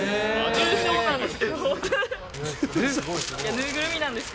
重症なんです。